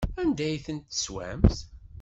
Anda ay tent-teswamt?